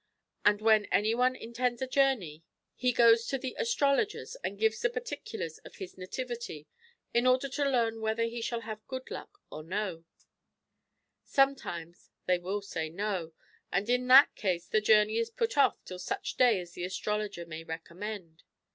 And when any one intcntls a journey he goes to the astro Chap. LXXVI. THE GREAT CITY OF KINSAY. 151 logers, and gives the particulars of his nativity in order to learn whether he shall have good luck or no. Sometimes they will say no^ and in that case the journey is put off till such day as the astrologer may recommend.